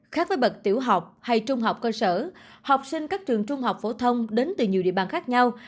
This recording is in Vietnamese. khác với bậc tiểu học hay trung học cơ sở học sinh các trường trung học phổ thông đến từ nhiều địa bàn khác nhau